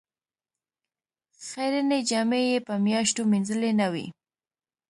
خیرنې جامې یې په میاشتو مینځلې نه وې.